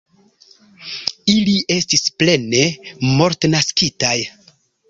Ili estis plene mortnaskitaj.